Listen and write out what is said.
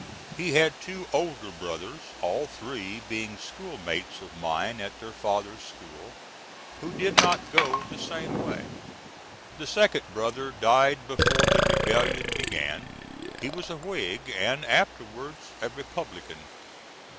He had two older brothers all three being school mates of mine at their father's school who did not go the same way. The second brother died before the rebellion began; he was a Whig, and afterwards a Republican.